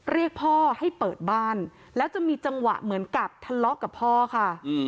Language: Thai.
เรียกพ่อให้เปิดบ้านแล้วจะมีจังหวะเหมือนกับทะเลาะกับพ่อค่ะ